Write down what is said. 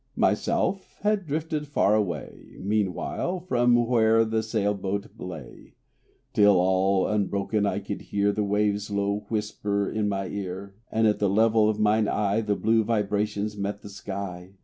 Myself had drifted far away, Meanwhile, from where the sail boat lay, Till all unbroken I could hear The wave's low whisper in my ear, And at the level of mine eye The blue vibration met the sky.